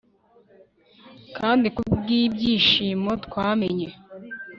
Kandi kubwibyishimo twamenye